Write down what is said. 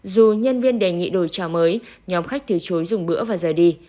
dù nhân viên đề nghị đổi chảo mới nhóm khách thừa chối dùng bữa và rời đi